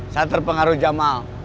saya terpengaruh jamal